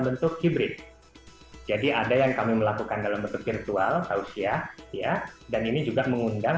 bentuk hybrid jadi ada yang kami melakukan dalam bentuk virtual tausiah ya dan ini juga mengundang